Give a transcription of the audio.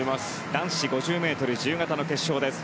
男子５０ｍ自由形の決勝です。